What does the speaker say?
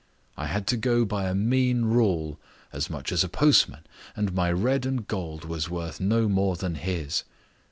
I had to go by a mean rule as much as a postman, and my red and gold was worth no more than his.